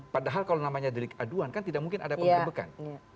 padahal kalau namanya delik aduan kan tidak mungkin ada penggerbekan